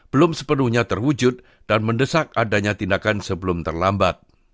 belum sepenuhnya terwujud dan mendesak adanya tindakan sebelum terlambat